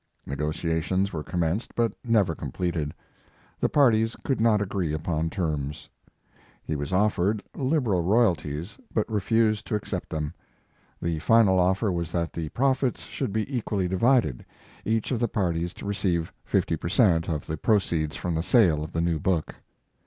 Negotiations were commenced but never completed. The parties could not agree upon terms. He was offered liberal royalties but refused to accept them. The final offer was that the profits should be equally divided, each of the parties to receive fifty per cent, of His Life and Work. 291 the proceeds from the sale of the new book.